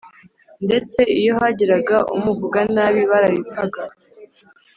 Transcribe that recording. ndetse iyo hagiraga umuvuga nabi barabipfaga